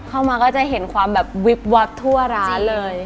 เข้ามาก็จะเห็นความแบบวิบวับทั่วร้านเลย